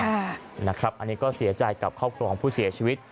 อันนี้ก็เสียใจกับครอบครัวของผู้เสียชีวิต